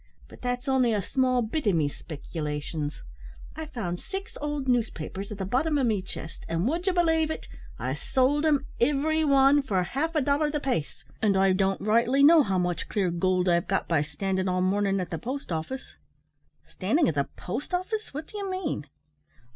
But that's only a small bit o' me speckilations. I found six owld newspapers in the bottom o' me chist, and, would ye belave it, I sowld 'em, ivery wan, for half a dollar the pace; and I don't rightly know how much clear goold I've got by standin' all mornin' at the post office." "Standing at the post office! What do you mean?"